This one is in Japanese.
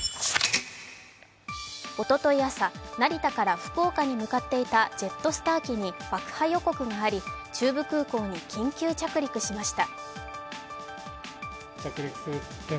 おととい朝、成田から福岡に向かっていたジェットスター機に爆破予告があり、中部空港に緊急着陸しました。